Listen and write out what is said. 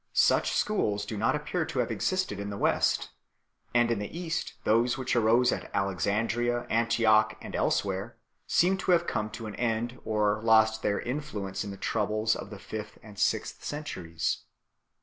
Such schools do not appear to have existed in the West, and in the East those which arose at Alexandria, Antioch, and elsewhere, seem to have come to an end or lost their influence in the troubles of the fifth and sixth centuries.